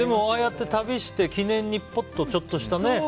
ああやって旅して記念にぽっとちょっとしたね。